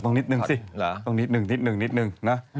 ต้องนิดหนึ่งสิต้องนิดหนึ่งนิดหนึ่ง